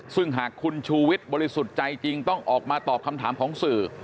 ซึ่งหากคุณชูวิทย์บริสุทธิ์ใจจริงต้องออกมาตอบคำถามของสื่อ